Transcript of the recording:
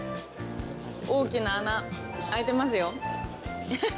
大きな穴、開いてますよ。